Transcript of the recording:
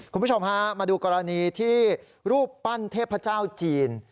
คุณผู้ชมฮะมาดูกรณีที่รูปปั้นเทพเจ้าจีน